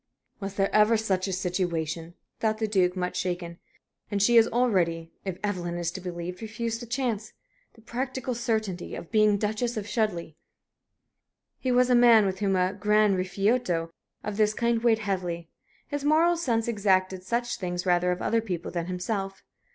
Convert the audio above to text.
"Was there ever such a situation?" thought the Duke, much shaken. "And she has already, if Evelyn is to be believed, refused the chance the practical certainty of being Duchess of Chudleigh!" He was a man with whom a gran rifiuto of this kind weighed heavily. His moral sense exacted such things rather of other people than himself.